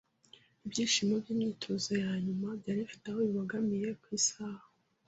Ibyishimo by'iyi myitozo ya nyuma byari bifite aho bibogamiye ku isaha I.